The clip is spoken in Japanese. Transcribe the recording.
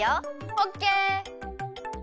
オッケー！